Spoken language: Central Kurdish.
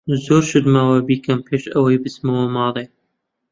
زۆر شتم ماوە بیکەم پێش ئەوەی بچمەوە ماڵێ.